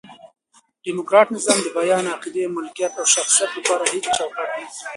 ډیموکرات نظام د بیان، عقیدې، ملکیت او شخصیت له پاره هيڅ چوکاټ نه لري.